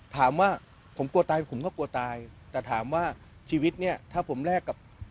ถามว่าผมกลัวตายผมก็กลัวตายแต่ถามว่าชีวิตเนี่ยถ้าผมแลกกับ